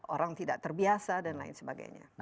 orang tidak terbiasa dan lain sebagainya